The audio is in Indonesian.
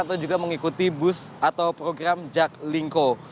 atau juga mengikuti bus atau program jaklingko